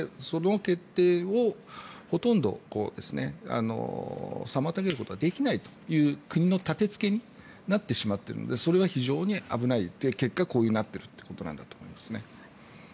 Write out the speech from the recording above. その決定をほとんど妨げることはできないという国の建付けになってしまっているのでそれは非常に危ない結果、こうなっているということなんだと思います。